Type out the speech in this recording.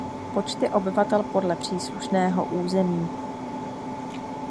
Počty obyvatel podle příslušného území.